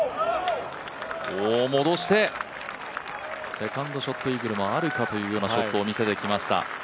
セカンドショットイーグルもあるかというショットを見せてきました。